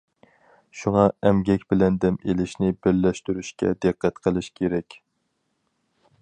شۇڭا ئەمگەك بىلەن دەم ئېلىشنى بىرلەشتۈرۈشكە دىققەت قىلىش كېرەك ئىكەن.